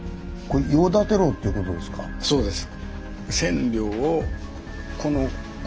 そうです。